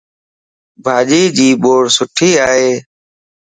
ڀاڄيءَ جي ٻورسٺي ائي